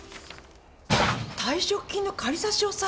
退職金の仮差し押さえ？